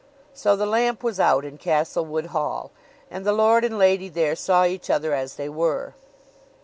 So the lamp was out in Castlewood Hall, and the lord and lady there saw each other as they were.